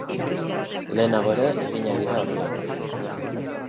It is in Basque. Lehenago ere eginak dira horrelakoak.